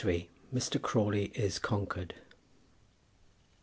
MR. CRAWLEY IS CONQUERED.